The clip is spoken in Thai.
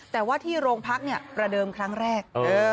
แต่ว่าที่โรงพักประเดิมครั้งแรก